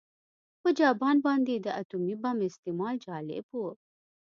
په جاپان باندې د اتومي بم استعمال جالب و